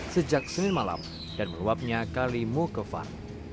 sejak senin malam dan meruapnya kalimu ke van